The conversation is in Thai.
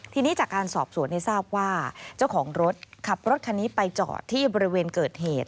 ทีนี้จากการสอบสวนทราบว่าเจ้าของรถขับรถคันนี้ไปจอดที่บริเวณเกิดเหตุ